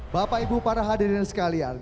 bapak ibu para hadirin sekalian